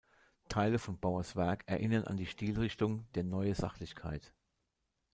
Teile von Baurs Werk erinnern an die Stilrichtung der „Neue Sachlichkeit“.